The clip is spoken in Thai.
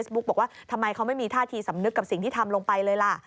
บอกว่าทำไมเขาไม่มีท่าทีสำนึกกับสิ่งที่ทำลงไปเลยล่ะ